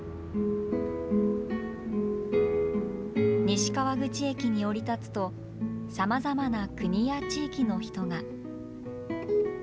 西川口駅に降り立つと、さまざまな国や地域の人が。